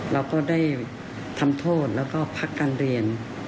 เราก็ได้ทำโทษแล้วก็พักการเรียน